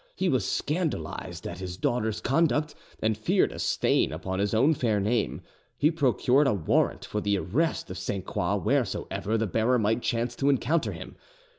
He was scandalised at his daughter's conduct, and feared a stain upon his own fair name: he procured a warrant for the arrest of Sainte Croix wheresoever the bearer might chance to encounter him.